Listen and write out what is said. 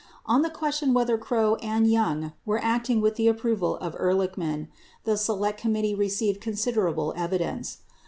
74 On the question whether Krogh and Young were acting with the ap proval of Ehrlichman, the Select Committee received considerable evidence.